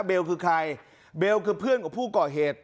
เบลคือใครเบลคือเพื่อนของผู้ก่อเหตุ